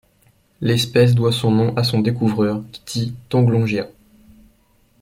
L'espèce doit son nom à son découvreur, Kitti Thonglongya.